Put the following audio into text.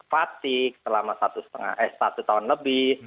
fatigue selama satu setengah eh satu tahun lebih